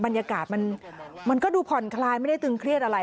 บรรยากาศมันก็ดูผ่อนคลายไม่ได้ตึงเครียดอะไร